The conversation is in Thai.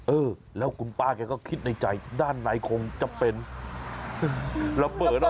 เออแล้วคุณป้าแกก็คิดในใจด้านในคงจะเป็นระเบิดออก